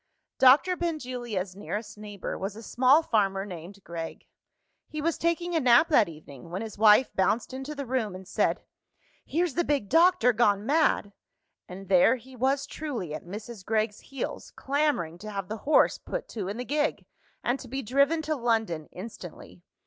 Doctor Benjulia's nearest neighbour was a small farmer named Gregg. He was taking a nap that evening, when his wife bounced into the room, and said, "Here's the big doctor gone mad!" And there he was truly, at Mrs. Gregg's heels, clamouring to have the horse put to in the gig, and to be driven to London instantly.